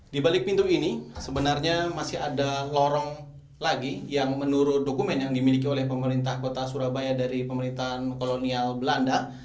di balik pintu ini sebenarnya masih ada lorong lagi yang menurut dokumen yang dimiliki oleh pemerintah kota surabaya dari pemerintahan kolonial belanda